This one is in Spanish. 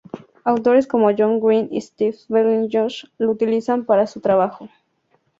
Autores como John Green y Steven Berlin Johnson lo utilizan para su trabajo.